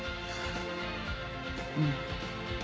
うん。